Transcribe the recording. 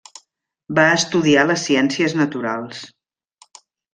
Va estudiar les Ciències naturals.